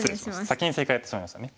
先に正解をやってしまいましたね。